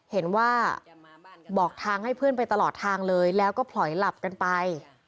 บอกว่าบอกทางให้เพื่อนไปตลอดทางเลยแล้วก็ผลอยหลับกันไป